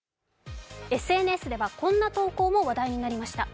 ＳＮＳではこんな投稿も話題になりました。